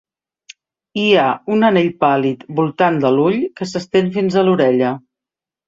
Hi ha un anell pàl·lid voltant de l'ull que s'estén fins a l'orella.